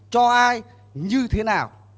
cho ai như thế nào